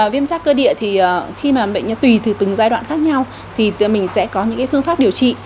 viêm rác cơ địa thì khi mà bệnh nhân tùy từ từng giai đoạn khác nhau thì mình sẽ có những phương pháp điều trị